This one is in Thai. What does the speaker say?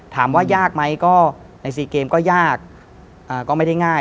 ถามว่ายากไหมก็ใน๔เกมก็ยากก็ไม่ได้ง่าย